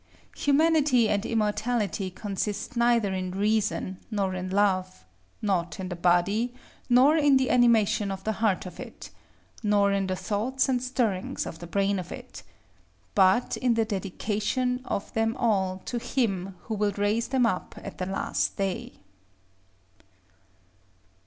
Humanity and immortality consist neither in reason, nor in love; not in the body, nor in the animation of the heart of it, nor in the thoughts and stirrings of the brain of it, but in the dedication of them all to Him who will raise them up at the last day.